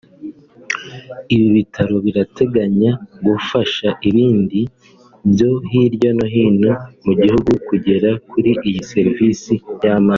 Ibi bitaro birateganya gufasha ibindi byo hirya no hino mu gihugu kugera kuri iyi serivisi y’amaso